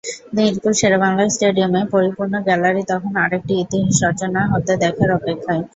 মিরপুর শেরেবাংলা স্টেডিয়ামের পরিপূর্ণ গ্যালারি তখন আরেকটি ইতিহাস রচনা হতে দেখার অপেক্ষায়।